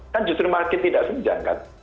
kan justru makin tidak senjang kan